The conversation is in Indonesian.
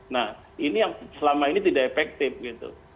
nah ini yang selama ini tidak efektif gitu